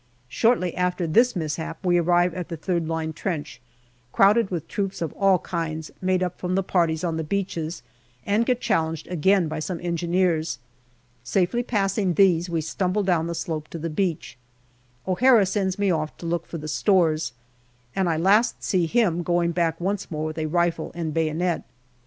Shortly after this mishap we arrive at the third line trench, crowded with troops of all kinds, made up from the parties on the beaches, and get challenged again by some Engineers. Safely passing these, we stumble down the slope to the beach. O'Hara sends me off to look for APRIL 43 the stores, and I last see him going back once more with a rifle and bayonet.